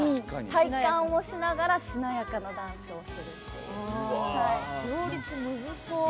体幹をしながらしなやかなダンスをするっていう。